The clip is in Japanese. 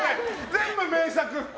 全部名作！